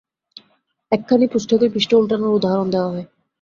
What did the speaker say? একখানি পুস্তকের পৃষ্ঠা উলটানোর উদাহরণ দেওয়া হয়।